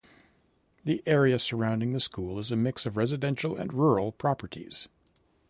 The area surrounding the school is a mix of residential and rural properties.